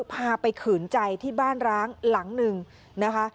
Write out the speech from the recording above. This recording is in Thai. พาไปขืนใจที่บ้านร้างหลังหนึ่งนะคะ